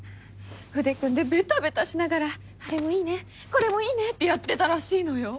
腕組んでベタベタしながらあれもいいねこれもいいねってやってたらしいのよ。